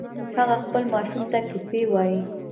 هغه خپل ماشوم ته کیسې وایې